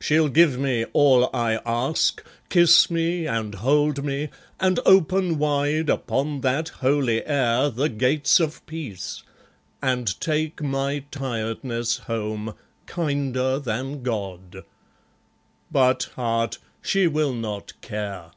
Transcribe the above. She'll give me all I ask, kiss me and hold me, And open wide upon that holy air The gates of peace, and take my tiredness home, Kinder than God. But, heart, she will not care.